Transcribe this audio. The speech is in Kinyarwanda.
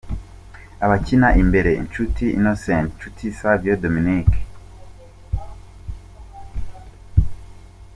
Abakina imbere: Nshuti Innocent, Nshuti Savio Dominique.